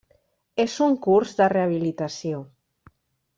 És en curs de rehabilitació.